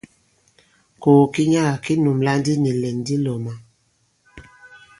Kògò ki nyaga ki nùmblà ndi nì ìlɛ̀n di lɔ̄mā.